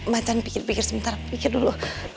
ma can pikir pikir sebentar pikir dulu